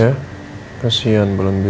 ah siapa trump